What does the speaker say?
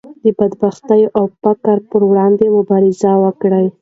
د بدبختۍ او فقر پر وړاندې مبارزه وکړئ.